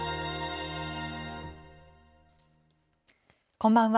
こんばんは。